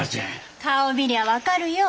顔見りゃ分かるよ。